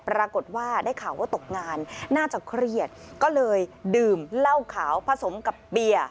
ปรากฏว่าได้ข่าวว่าตกงานน่าจะเครียดก็เลยดื่มเหล้าขาวผสมกับเบียร์